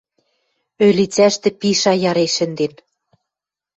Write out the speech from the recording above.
Ӧлицӓшты пиш аярен шӹнден.